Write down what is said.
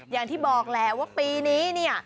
อย่างที่บอกแหละว่าปีนี้เนี่ย